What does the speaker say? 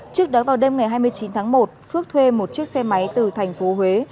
trước đó vào đêm ngày hai mươi chín tháng một phước thuê một chiếc xe máy từ tp huế